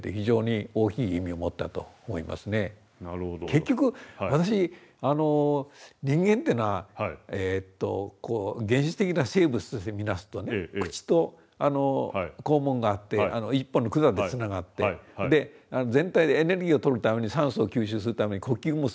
結局私人間っていうのはこう原始的な生物として見なすとね口と肛門があって１本の管でつながって全体でエネルギーをとるために酸素を吸収するために呼吸もすると。